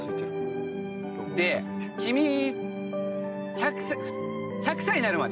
で君１００歳になるまで君がかな？